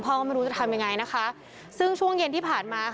ก็ไม่รู้จะทำยังไงนะคะซึ่งช่วงเย็นที่ผ่านมาค่ะ